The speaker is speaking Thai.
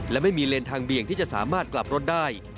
และไม่มีเลนทางเบี่ยงที่จะสามารถกลับรถได้